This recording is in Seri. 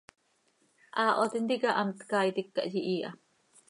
Haaho tintica hamt caaitic cah yihiiha.